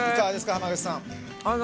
濱口さん。